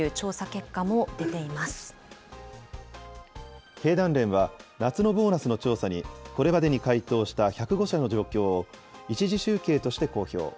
結果経団連は、夏のボーナスの調査にこれまでに回答した１０５社の状況を１次集計として公表。